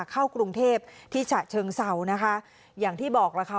เข้ากรุงเทพที่ฉะเชิงเศร้านะคะอย่างที่บอกล่ะค่ะ